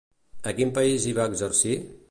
A quin país hi va exercir?